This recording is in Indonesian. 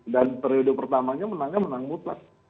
dan periode pertamanya menangnya menangnya